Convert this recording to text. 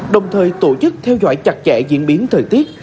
đồng thời tổ chức theo dõi chặt chẽ diễn biến thời tiết